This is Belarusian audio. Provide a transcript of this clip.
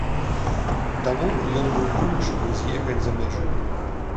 Таму ён быў вымушаны з'ехаць за мяжу.